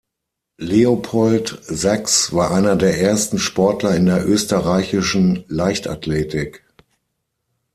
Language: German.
Leopold Sax war einer der ersten Sportler in der österreichischen Leichtathletik.